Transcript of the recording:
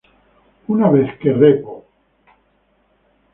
Una vez que "Repo!